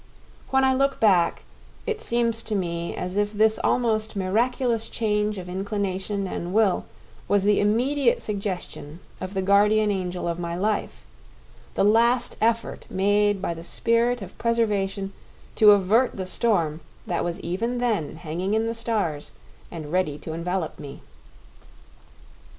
When I look back, it seems to me as if this almost miraculous change of inclination and will was the immediate suggestion of the guardian angel of my life—the last effort made by the spirit of preservation to avert the storm that was even then hanging in the stars and ready to envelop me.